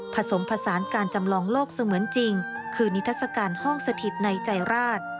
ผสมผสานการจำลองโลกเสมือนจริงคือนิทัศกาลห้องสถิตในใจราช